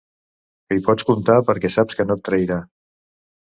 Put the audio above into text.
Que hi pots comptar perquè saps que no et trairà.